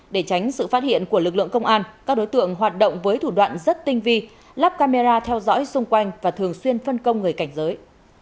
để tránh sự phát hiện của lực lượng công an các đối tượng hoạt động với thủ đoạn rất tinh vi lắp camera theo dõi xung quanh và thường xuyên phân công người cảnh giới